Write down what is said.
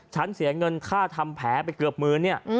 เสียเงินค่าทำแผลไปเกือบหมื่นเนี่ย